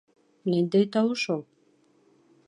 — Ниндәй тауыш ул?